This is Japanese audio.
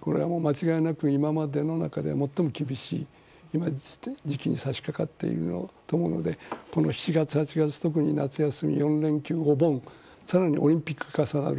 これは間違いなく今までの中で最も厳しい時期に差し掛かっていると思うのでこの７月、８月特に夏休み、４連休、お盆更に、オリンピックが重なる。